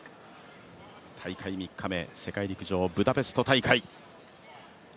大会３日目世界陸上ブダペスト大会。